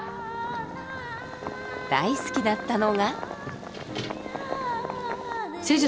大好きだったのが。